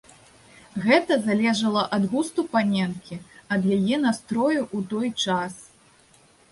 Гэта залежала ад густу паненкі, ад яе настрою ў той час.